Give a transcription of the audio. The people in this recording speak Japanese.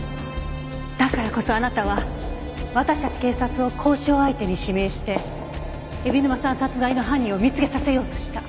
だからこそあなたは私たち警察を交渉相手に指名して海老沼さん殺害の犯人を見つけさせようとした。